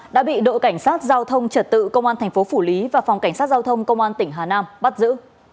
đã bị đội cảnh sát giao thông trật tự công an tp phủ lý và phòng cảnh sát giao thông công an tp hà nam bắt giữ